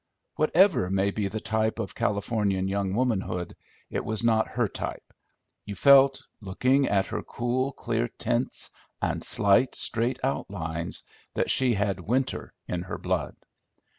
Whatever may be the type of Californian young womanhood, it was not her type; you felt, looking at her cool, clear tints and slight, straight outlines, that she had winter in her blood.